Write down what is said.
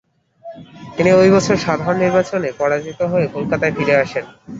তিনি ওই বছর সাধারণ নির্বাচনে পরাজিত হয়ে কলকাতায় ফিরে আসেন।